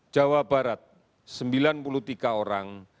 jawa barat sembilan puluh tiga orang